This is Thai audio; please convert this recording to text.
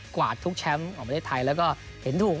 กวาดทุกแชมป์ของบุคคลไม่ได้ไทย